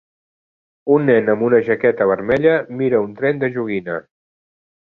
Un nen amb una jaqueta vermella mira un tren de joguina.